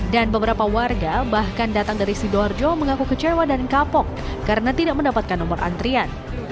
dan beberapa warga bahkan datang dari sidoarjo mengaku kecewa dan kapok karena tidak mendapatkan nomor antrian